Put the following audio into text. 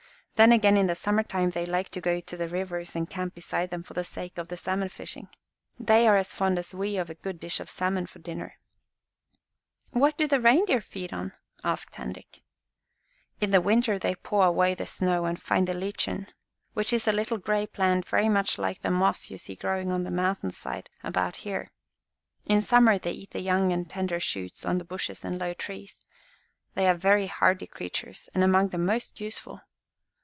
Then, again, in the summer time they like to go to the rivers and camp beside them for the sake of the salmon fishing. They are as fond as we of a good dish of salmon for dinner." "What do the reindeer feed on?" asked Henrik. "In winter they paw away the snow and find the lichen, which is a little gray plant very much like the moss you see growing on the mountainside about here. In summer they eat the young and tender shoots on the bushes and low trees. They are very hardy creatures and among the most useful."